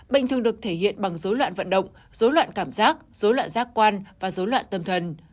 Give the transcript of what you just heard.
bệnh thường được thể hiện bằng dối loạn vận động dối loạn cảm giác dối loạn giác quan và dối loạn tâm thần